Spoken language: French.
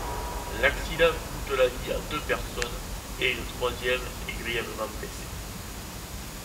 L'accident coûte la vie à deux personnes, et une troisième est grièvement blessée.